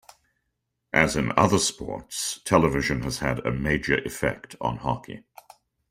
As in other sports, television has had a major effect on hockey.